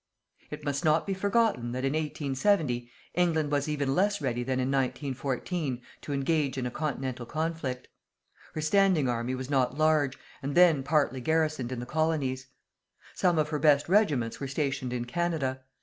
It must not be forgotten that, in 1870, England was even less ready than in 1914 to engage in a continental conflict. Her standing army was not large, and then partly garrisoned in the colonies. Some of her best regiments were stationed in Canada.